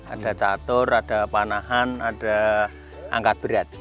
ada catur ada panahan ada angkat berat